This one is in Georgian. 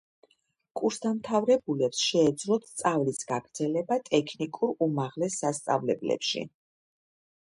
კურსდამთავრებულებს შეეძლოთ სწავლის გაგრძელება ტექნიკურ უმაღლეს სასწავლებლებში.